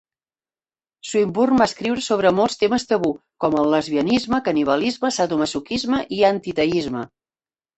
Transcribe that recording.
Swinburne va escriure sobre molts temes tabú, com el lesbianisme, canibalisme, sadomasoquisme i antiteisme.